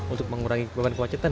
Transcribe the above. untuk mengurangi kebangan